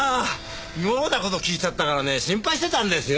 妙な事聞いちゃったからね心配してたんですよ。